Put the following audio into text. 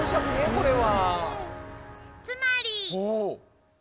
これは。